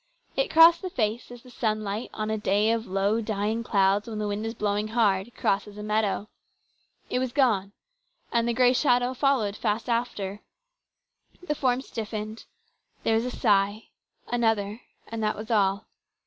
It crossed the face as the sunlight, on a clay of low dying clouds when the wind is blowing hard, crosses a meadow. It was gone, and the grey shadow followed fast after. The form stiffened, there was a sigh, another, and that was all.